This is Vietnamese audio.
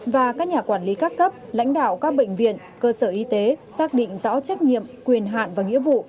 và các nhà quản lý các cấp lãnh đạo các bệnh viện cơ sở y tế xác định rõ trách nhiệm quyền hạn và nghĩa vụ